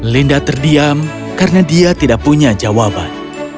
linda terdiam karena dia tidak punya jawaban